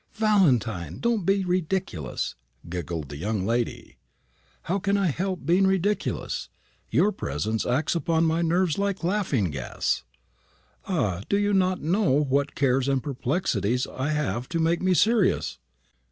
"Valentine, don't be ridiculous!" giggled the young lady. "How can I help being ridiculous? Your presence acts upon my nerves like laughing gas. Ah, you do not know what cares and perplexities I have to make me serious.